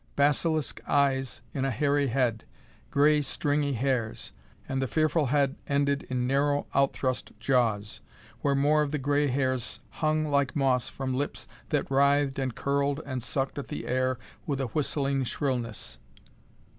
Basilisk eyes in a hairy head; gray, stringy hairs; and the fearful head ended in narrow, outthrust jaws, where more of the gray hairs hung like moss from lips that writhed and curled and sucked at the air with a whistling shrillness.